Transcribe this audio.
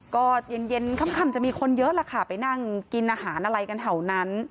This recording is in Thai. ก็เย็นเย็นค่ำจะมีคนเยอะล่ะค่ะไปนั่งกินอาหารอะไรกันแถวนั้น